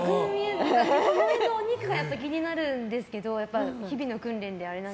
お肉が気になるんですけどやっぱり日々の訓練で。